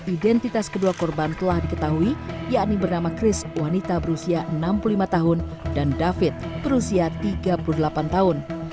identitas kedua korban telah diketahui yakni bernama kris wanita berusia enam puluh lima tahun dan david berusia tiga puluh delapan tahun